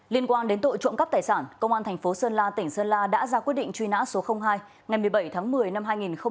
liên quan đến tội trộm cắp tài sản công an thành phố sơn la tỉnh sơn la đã ra quyết định truy nã số hai ngày một mươi bảy tháng một mươi năm hai nghìn một mươi ba